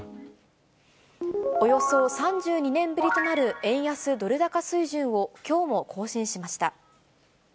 およそ３２年ぶりとなる円安ドル高水準を、きょうも更新しました。